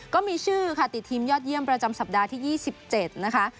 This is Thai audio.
ก็มีชื่อค่ะติดทีมยอดเยี่ยมประจำสัปดาห์ที่๒๗นะคะ